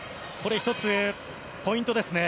１つ、ポイントですね。